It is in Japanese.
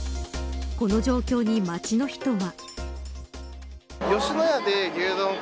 この状況に街の人は。